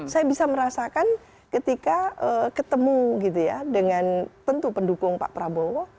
saya bisa merasakan ketika ketemu gitu ya dengan tentu pendukung pak prabowo